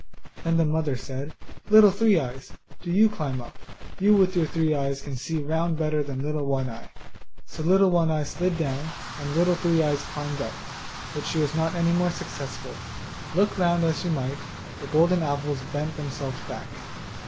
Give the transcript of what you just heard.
Then the mother said, 'Little Three eyes, do you climb up; you with your three eyes can see round better than Little One eye.' So Little One eye slid down, and Little Three eyes climbed up; but she was not any more successful; look round as she might, the golden apples bent themselves back.